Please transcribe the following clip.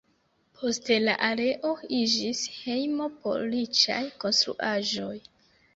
Poste la areo iĝis hejmo por riĉaj konstruaĵoj.